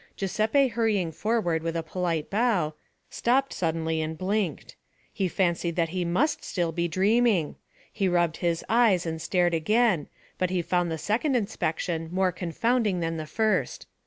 Giuseppe hurrying forward with a polite bow, stopped suddenly and blinked. He fancied that he must still be dreaming; he rubbed his eyes and stared again, but he found the second inspection more confounding than the first.